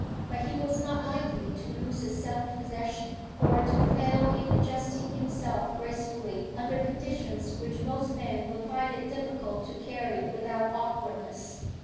But he was not likely to lose his self possession, or to fail in adjusting himself gracefully, under conditions which most men would find it difficult to carry without awkwardness.